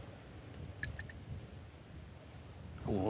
うわ。